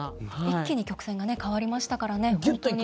一気に曲線が変わりましたからね、本当に。